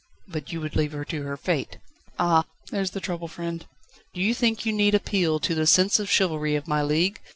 "But would you leave her to her fate?" "Ah! there's the trouble, friend. Do you think you need appeal to the sense of chivalry of my league?